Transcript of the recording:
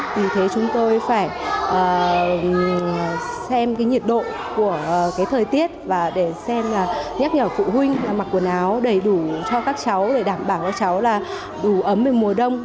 vì thế chúng tôi phải xem cái nhiệt độ của thời tiết và để xem là nhắc nhở phụ huynh mặc quần áo đầy đủ cho các cháu để đảm bảo cho cháu là đủ ấm về mùa đông